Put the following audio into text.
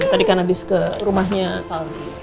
tadi kan abis ke rumahnya